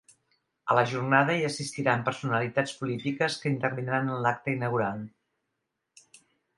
A la jornada hi assistiran personalitats polítiques que intervindran en l’acte inaugural.